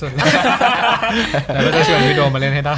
เราจะเฉียนให้ประหลาดที่สุด